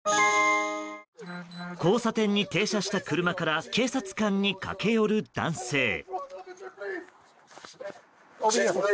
交差点に停車した車から警察官に駆け寄る男性。